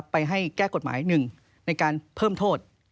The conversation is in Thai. ไปให้แก้กฎหมายหนึ่งในการเพิ่มโทษ